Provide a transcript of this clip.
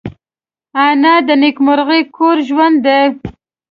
انا د نیکمرغه کور ژوند ده